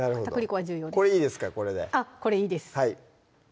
これいいですかこれでこれいいです